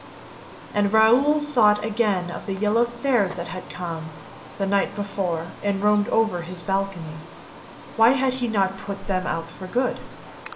And Raoul thought again of the yellow stars that had come, the night before, and roamed over his balcony. Why had he not put them out for good?